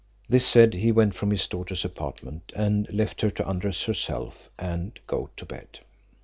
This said, he went from his daughter's apartment, and left her to undress herself and go to bed.